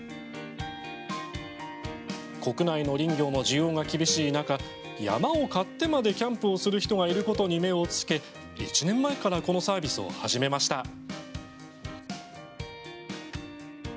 国内の林業の需要が厳しい中山を買ってまでキャンプをする人がいることに目をつけ１年前からこのサービスを始めました。